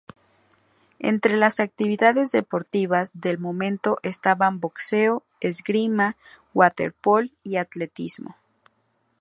Entre las actividades deportivas del momento estaban: boxeo, esgrima, waterpolo y atletismo.